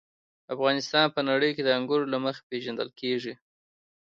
افغانستان په نړۍ کې د انګورو له مخې پېژندل کېږي.